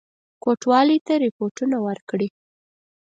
کوټوالی ته رپوټونه ورکړي.